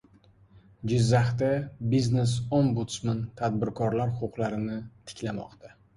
Jizzaxda Biznes-ombudsman tadbirkorlar huquqlarini tiklamoqda